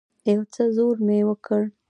يو څه زور مې وکړ.